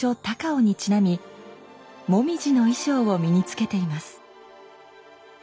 高雄にちなみ紅葉の衣装を身につけています。